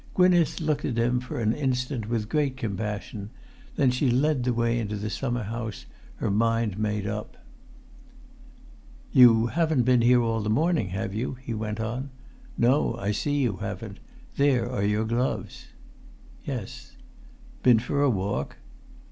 Gwynneth looked at him for an instant with great compassion; then she led the way into the summer house, her mind made up. "You haven't been here all the morning, have you?" he went on. "No, I see you haven't; there are your gloves." "Yes." "Been for a walk?"